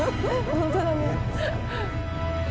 本当だね。